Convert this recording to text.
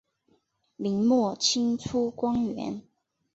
明末清初官员。